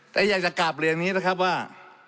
แต่อยากจะกลับเรียนนี้นะครับว่า